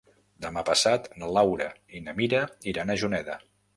Demà passat na Laura i na Mira iran a Juneda.